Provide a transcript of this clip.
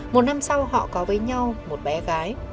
một năm sau họ có với nhau một bé gái